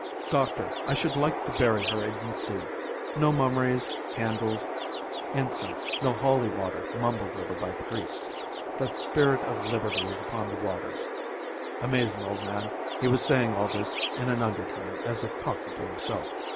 Doctor! I should like to bury her in the sea. No mummeries, candles, incense, no holy water mumbled over by priests. The spirit of liberty is upon the waters.' ... Amazing old man. He was saying all this in an undertone as if talking to himself."